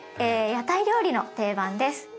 屋台料理の定番です。